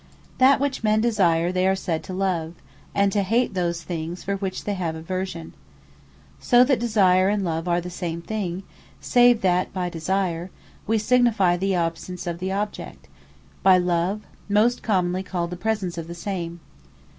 That which men Desire, they are also sayd to LOVE; and to HATE those things, for which they have Aversion. So that Desire, and Love, are the same thing; save that by Desire, we alwayes signifie the Absence of the object; by Love, most commonly the Presence of the same.